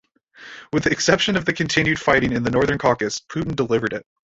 With the exception of the continued fighting in the Northern Caucasus, Putin delivered it.